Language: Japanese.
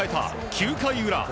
９回裏。